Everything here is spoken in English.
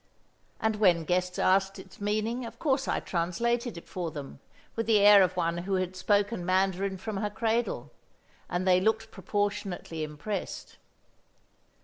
And when guests asked its meaning, of course I translated it for them, with the air of one who had spoken Mandarin from her cradle; and they looked proportionately impressed.